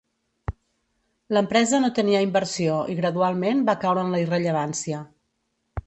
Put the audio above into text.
L'empresa no tenia inversió i gradualment va caure en la irrellevància.